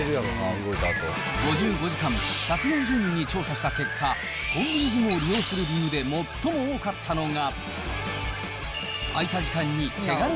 ５５時間１４０人に調査した結果コンビニジムを利用する理由で最も多かったのが。